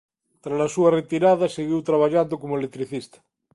Trala súa retirada seguiu traballando como electricista.